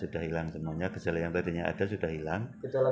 sudah hilang semuanya gejala yang tadinya ada sudah hilang